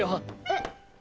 えっ？